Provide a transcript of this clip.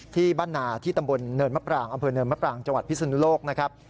ที่บ้านนาที่ตำบลเนินมะปรางอำเภอเนินมะปรางจังหวัดพิศนุโลกนะครับ